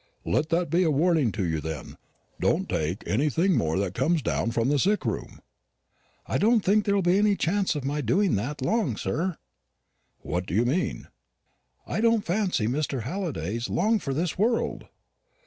"Let that be a warning to you, then. Don't take anything more that comes down from the sick room." "I don't think there'll be any chance of my doing that long, sir." "What do you mean?" "I don't fancy Mr. Halliday is long for this world."